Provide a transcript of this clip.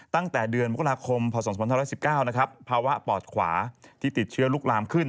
ตั้งแต่เดือนมกราคมพศ๒๕๑๙นะครับภาวะปอดขวาที่ติดเชื้อลุกลามขึ้น